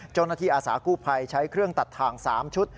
เจ้าหน้าที่อาสากู้ภัยใช้เครื่องตัดทาง๓ชุด